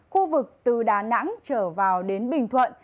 khu vực từ đà nẵng trở vào đến bình thuận